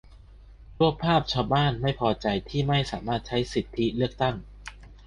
รวบภาพชาวบ้านไม่พอใจที่ไม่สามารถใช้สิทธิเลือกตั้ง